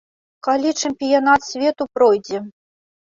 Калі чэмпіянат свету пройдзе.